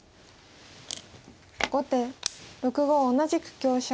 後手６五同じく香車。